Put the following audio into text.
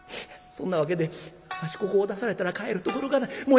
そんなわけでわしここを出されたら帰るところがない。